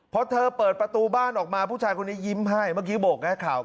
พอเธอเปิดประตูบ้านออกมาผู้ชายคนนี้ยิ้มให้เมื่อกี้โบกให้ข่าว